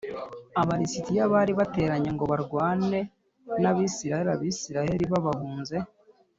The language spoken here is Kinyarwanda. Aba lisitiya bari bateranye ngo barwane n Abisirayeli Abisirayeli babahunze